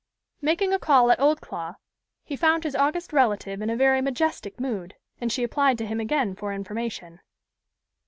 Making a call at Oldclough, he found his august relative in a very majestic mood, and she applied to him again for information.